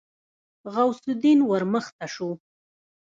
غوث الدين ورمخته شو.